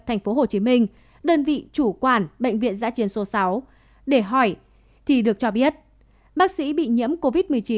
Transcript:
tp hcm đơn vị chủ quản bệnh viện giã chiến số sáu để hỏi thì được cho biết bác sĩ bị nhiễm covid một mươi chín